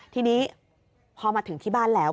ทีนี้พอมาถึงที่บ้านแล้ว